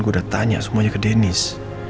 gue udah tanya semuanya ke dennis